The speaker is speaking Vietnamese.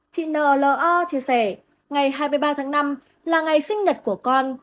chị n l o chia sẻ ngày hai mươi ba tháng năm là ngày sinh nhật của con